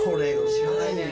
知らないね。